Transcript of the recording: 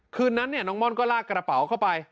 คืนนั้นน้องม่อนก็ลากกระเป๋าเข้าไป